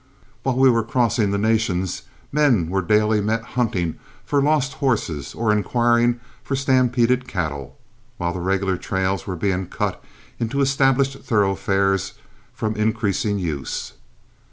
While we were crossing the Nations, men were daily met hunting for lost horses or inquiring for stampeded cattle, while the regular trails were being cut into established thoroughfares from increasing use.